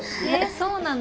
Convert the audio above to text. そうなの？